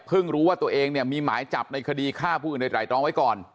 รู้ว่าตัวเองเนี่ยมีหมายจับในคดีฆ่าผู้อื่นโดยไตรตรองไว้ก่อน